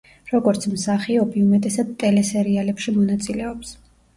როგორც მსახიობი უმეტესად ტელესერიალებში მონაწილეობს.